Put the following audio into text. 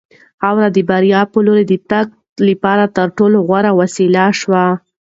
خاوره د بریا په لور د تګ لپاره تر ټولو غوره وسیله شوه.